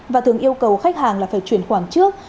và thường yêu cầu khách hàng là phải chuyển khoản trước